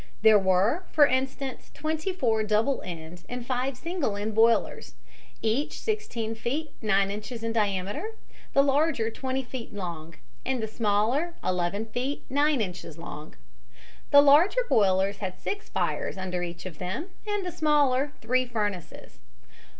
There were, for instance, twenty four double end and five single end boilers, each 16 feet 9 inches in diameter, the larger 20 feet long and the smaller 11 feet 9 inches long. The larger boilers had six fires under each of them and the smaller three furnaces.